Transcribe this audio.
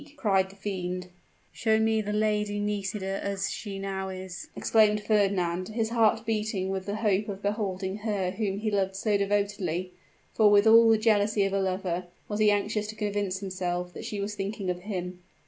cried the fiend. "Show me the Lady Nisida as she now is," exclaimed Fernand, his heart beating with the hope of beholding her whom he loved so devotedly; for, with all the jealousy of a lover, was he anxious to convince himself that she was thinking of him.